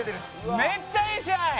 めっちゃいい試合！